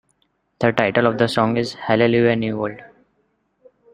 The title of the song is ""Hallelujah New World"".